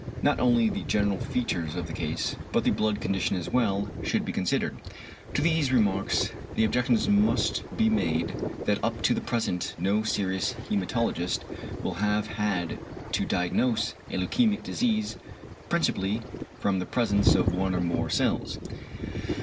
Not only the general features of the case, but the blood condition as well should be considered." To these remarks the objection must be made that up to the present no serious hæmatologist will have had to diagnose a leukæmic disease principally "from the presence of one or more cells."